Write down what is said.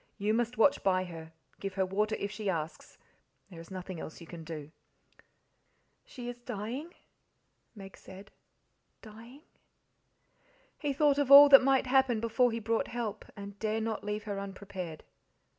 You must watch by her, give her water if she asks there is nothing else you can do." "She is dying?" Meg said "dying?" He thought of all that might happen before he brought help, and dare not leave her unprepared.